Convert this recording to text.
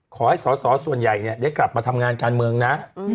ขอให้สอสอส่วนใหญ่ได้กลับมาทำงานการเมืองนะ